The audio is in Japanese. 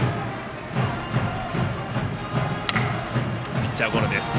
ピッチャーゴロ。